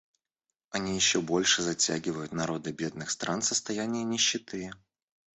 Они еще больше затягивают народы бедных стран в состояние нищеты.